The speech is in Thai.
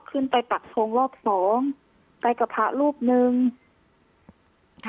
ไปปักทงรอบสองไปกับพระรูปหนึ่งค่ะ